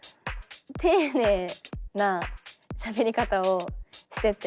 丁寧なしゃべり方をしてて。